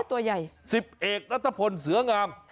ตัวใหญ่สิบเอกนัทพลเสืองาม